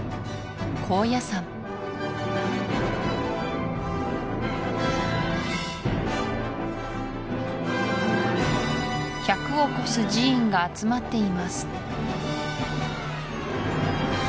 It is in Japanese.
高野山１００を超す寺院が集まっています